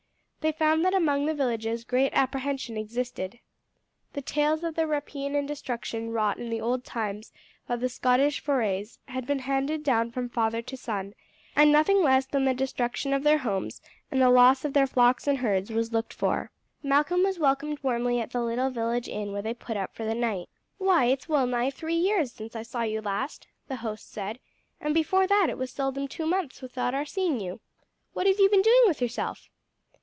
They found that among the villages great apprehension existed. The tales of the rapine and destruction wrought in the old times by the Scottish forays had been handed down from father to son, and nothing less than the destruction of their homes and the loss of their flocks and herds was looked for. Malcolm was welcomed warmly at the little village inn where they put up for the night. "Why, it's well nigh three years since I saw you last," the host said, "and before that it was seldom two months without our seeing you. What have you been doing with yourself?"